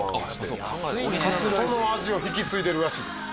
その味を引き継いでるらしいです